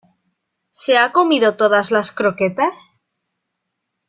¿ se ha comido todas las croquetas?